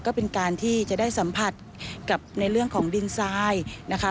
ก็เป็นการที่จะได้สัมผัสกับในเรื่องของดินทรายนะคะ